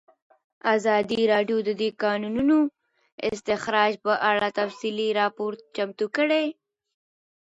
ازادي راډیو د د کانونو استخراج په اړه تفصیلي راپور چمتو کړی.